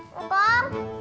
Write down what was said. pak arun lari